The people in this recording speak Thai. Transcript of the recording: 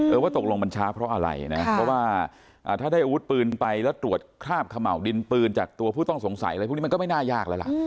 ว่าตกลงมันช้าเพราะอะไรนะเพราะว่าถ้าได้อาวุธปืนไปแล้วตรวจคราบเขม่าวดินปืนจากตัวผู้ต้องสงสัยอะไรพวกนี้มันก็ไม่น่ายากแล้วล่ะ